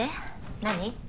何？